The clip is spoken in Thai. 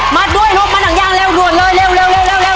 มัดด้วย๖มันทางยางเร็วรวดเลยเร็ว